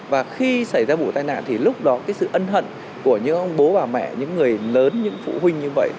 và khi xảy ra vụ tai nạn thì lúc đó cái sự ân hận của những ông bố bà mẹ những người lớn những phụ huynh như vậy